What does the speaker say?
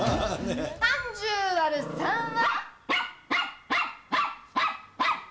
３０割る３は？